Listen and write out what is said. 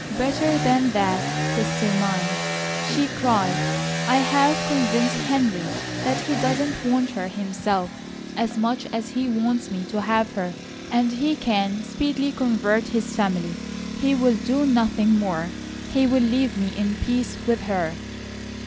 "Better than that, sister mine!" she cried. "I have convinced Henry that he doesn't want her himself as much as he wants me to have her, and he can speedily convert his family. He will do nothing more! He will leave me in peace with her."